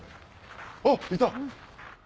あっいた！